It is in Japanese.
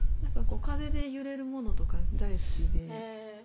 何かこう風で揺れるものとか大好きで。